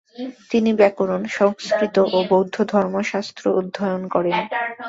তিনি ব্যাকরণ, সংস্কৃত ও বৌদ্ধধর্মশাস্ত্র অধ্যয়ন করেন।